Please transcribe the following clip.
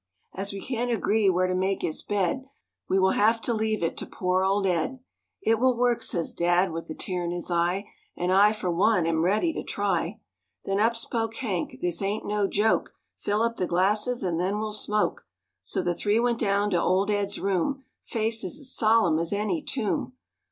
As we can't agree where to make his bed, We will have to leave it to poor old Ed." "It will work," says Dad, with a tear in his eye, "And I for one am ready to try." Then up spoke Hank, "This ain't no joke, Fill up the glasses and then we'll smoke." So the three went down to Old Ed's room, Faces as solemn as any tomb.